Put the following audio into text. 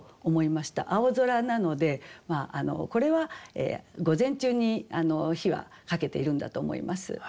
「青空」なのでこれは午前中に火はかけているんだと思います。